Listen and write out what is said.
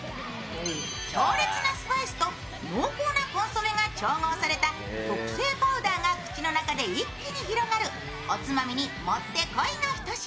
強烈なスパイスと濃厚なコンソメが調合された特製パウダーが口の中で一気に広がるおつまみにもってこいのひと品。